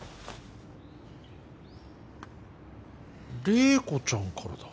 麗子ちゃんからだ。